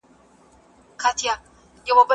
ښځې د تعلیم له لارې خپل استعداد څرګندوي.